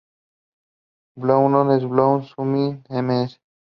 Brownlow, en Bloomsbury, Ms.